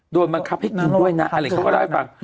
บังคับให้กินด้วยนะอะไรเขาก็เล่าให้ฟัง